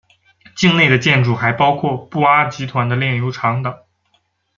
境内的建筑还包括布阿集团的炼油厂等。